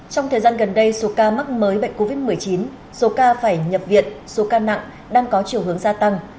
trong thời gian gần đây số ca mắc mới bệnh covid một mươi chín số ca phải nhập viện số ca nặng đang có chiều hướng gia tăng